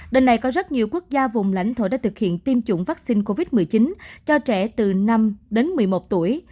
đêm nay có rất nhiều quốc gia vùng lãnh thổ đã thực hiện tiêm chủng vaccine covid một mươi chín cho trẻ từ năm đến một mươi một tuổi